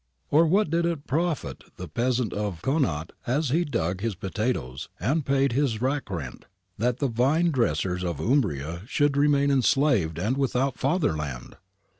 Or what did it profit the peasant of Connaught as he dug his potatoes and paid his rack rent, that the vine dressers of Umbria should remain enslaved and without fatherland